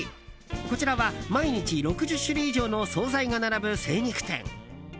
こちらは毎日６０種類以上の総菜が並ぶ精肉店。